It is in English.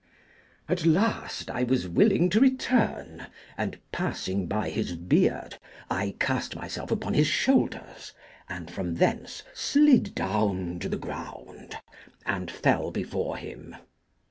At last I was willing to return, and, passing by his beard, I cast myself upon his shoulders, and from thence slid down to the ground, and fell before him.